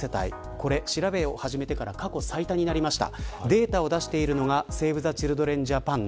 これ、調べを始めてから過去最多になりました。